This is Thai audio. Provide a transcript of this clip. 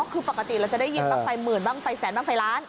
คือปกติเราจะได้ยินบ้างไฟหมื่นบ้างไฟแสนบ้างไฟล้าน